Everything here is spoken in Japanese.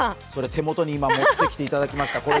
手元に持ってきていただきました。